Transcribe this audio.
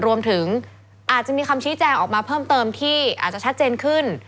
รวมถึงอาจจะมีคำชี้แจงออกมาเพิ่มเติมที่อาจจะชัดเจนขึ้น